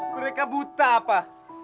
mereka buta apa